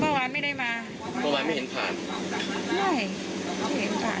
เมื่อวานไม่ได้มาเมื่อวานไม่เห็นผ่านไม่เห็นผ่าน